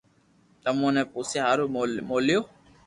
تمو ني پوسيا ھارو مو ليو